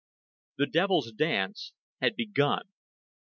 III The devil's dance had begun.